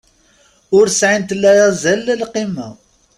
Ur sɛint la azal la lqima.